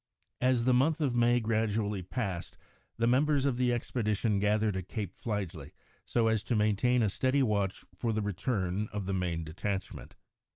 ] As the month of May gradually passed, the members of the expedition gathered at Cape Fligely so as to maintain a steady watch for the return of the main detachment.